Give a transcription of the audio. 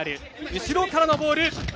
後ろからのボール。